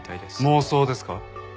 妄想ですか？